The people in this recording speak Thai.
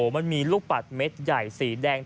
มันมีลูกปัดเม็ดใหญ่สีแดง